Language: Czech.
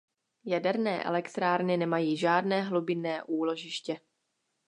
Jaderné elektrárny nemají žádné hlubinné úložiště.